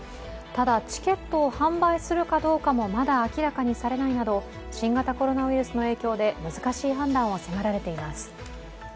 ただチケットを販売するかどうかもまだ明らかにされないなど、新型コロナウイルスの影響で難しい判断を迫られています。